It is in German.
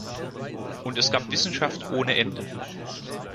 Und es gab Wissenschaft ohne Ende.